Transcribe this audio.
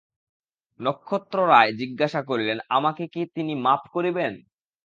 নক্ষত্ররায় জিজ্ঞাসা করিলেন, আমাকে কি তিনি মাপ করিবেন?